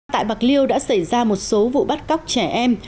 tại bạc liêu đã xảy ra một số vụ bắt cóc trẻ em